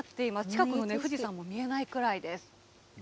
近くの富士山も見えないくらいです。